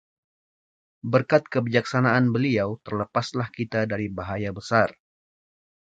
berkat kebijaksanaan beliau, terlepaslah kita dari bahaya besar